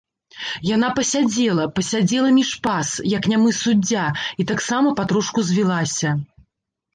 Яна пасядзела, пасядзела між пас, як нямы суддзя, і таксама патрошку звілася.